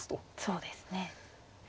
そうですね。